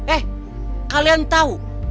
eh kalian tahu